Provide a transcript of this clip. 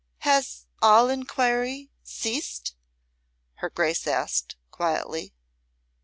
"Has all enquiry ceased?" her Grace asked, quietly.